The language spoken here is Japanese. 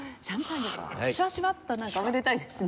シュワシュワッとなんかおめでたいですね。